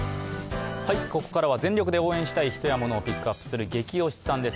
ここからは全力で応援したい人やものを全力でピックアップする「ゲキ推しさん」です。